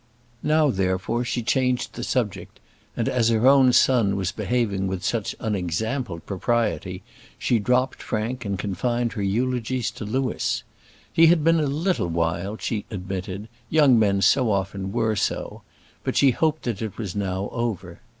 Now, therefore, she changed the subject; and, as her own son was behaving with such unexampled propriety, she dropped Frank and confined her eulogies to Louis. He had been a little wild, she admitted; young men so often were so; but she hoped that it was now over.